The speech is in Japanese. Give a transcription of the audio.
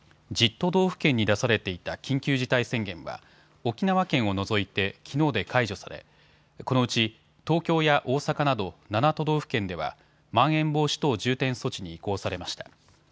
都道府県に出されていた緊急事態宣言は沖縄県を除いてきのうで解除されこのうち東京や大阪など７都道府県ではまん延防止等重点措置に移行されました。